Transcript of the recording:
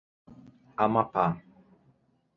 Amapá